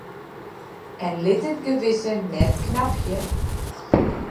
En lit it gewisse net knabje?